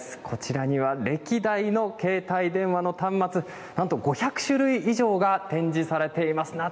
こちらには歴代の携帯電話の端末、なんと５００種類以上が展示されています。